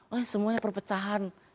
oh semuanya perpecahan